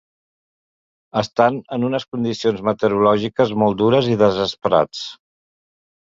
Estan en unes condicions meteorològiques molt dures i desesperats.